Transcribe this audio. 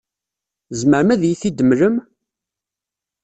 Tzemrem ad iyi-t-id-temlem?